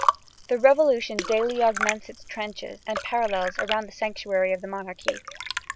The Revolution daily augments its trenches and parallels around the sanctuary of the monarchy.